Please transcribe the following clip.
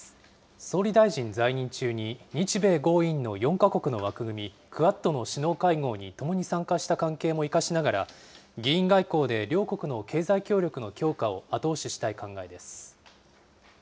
総理大臣在任中に日米豪印の４か国の枠組み・クアッドの首脳会合に共に参加した関係も生かしながら、議員外交で両国の経済協力の強化を後押ししたい考えです。